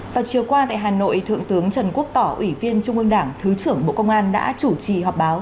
vào chiều qua tại hà nội thượng tướng trần quốc tỏ ủy viên trung ương đảng thứ trưởng bộ công an đã chủ trì họp báo